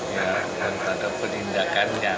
ya untuk menandatangani perlindakannya